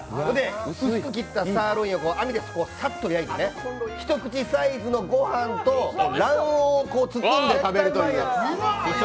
薄く切ったサーロインを網でさっと焼いて、ひとくちサイズのご飯と卵黄を包んで食べるという。